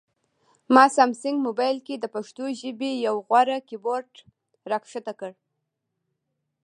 ما سامسنګ مبایل کې د پښتو ژبې یو غوره کیبورډ راښکته کړ